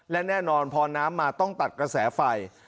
และแน่นอนพอน้ำมาต้องตัดกระแสไฟ